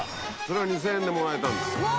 それが２０００円でもらえたんだ。